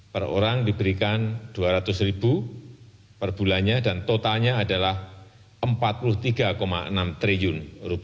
per orang diberikan rp dua ratus per bulannya dan totalnya adalah rp empat puluh tiga enam triliun